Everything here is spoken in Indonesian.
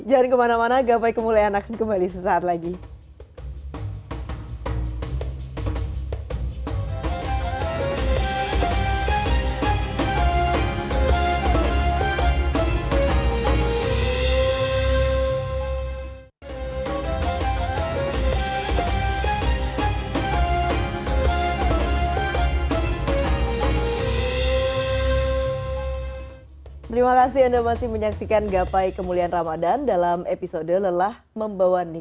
jangan kemana mana gapai kemuliaan akan kembali